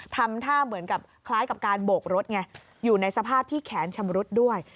ทำท่าเหมือนกับคล้ายกับการโบกรถไงอยู่ในสภาพที่แขนชำรุดด้วย